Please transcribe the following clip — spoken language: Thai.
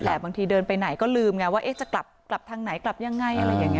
บางทีเดินไปไหนก็ลืมว่าจะกลับทางไหนกลับยังไง